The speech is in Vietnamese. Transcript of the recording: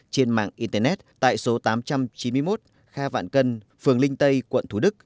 trên mạng internet tại số tám trăm chín mươi một kha vạn cân phường linh tây quận thú đức